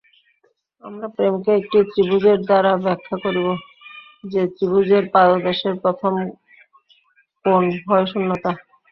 আমরা প্রেমকে একটি ত্রিভুজের দ্বারা ব্যাখ্যা করিব, যে ত্রিভুজের পাদদেশের প্রথম কোণ ভয়শূন্যতা।